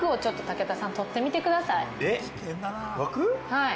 はい。